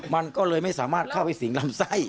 มันก็เลยไม่สามารถเข้าไปสิงลำไส้